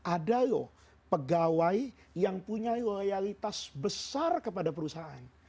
ada loh pegawai yang punya loyalitas besar kepada perusahaan